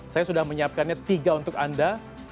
saya sudah menyiapkannya tiga untuk anda